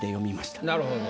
なるほど。